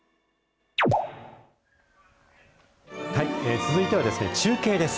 続いては、中継です。